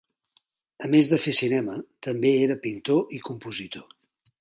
A més de fer cinema, també era pintor i compositor.